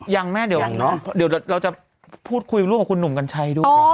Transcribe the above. ยังแม่เดี๋ยวยังเนอะเดี๋ยวเราจะพูดคุยร่วมกับคุณหนุ่มกันชัยด้วยค่ะ